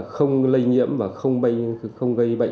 không lây nhiễm và không gây bệnh